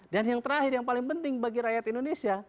dan yang terakhir yang paling penting bagi rakyat indonesia